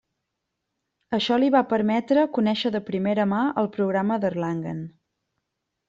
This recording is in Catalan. Això li va permetre conèixer de primera mà el Programa d'Erlangen.